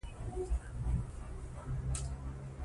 که البوم وي نو عکسونه نه خپریږي.